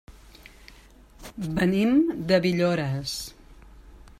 Venim de Villores.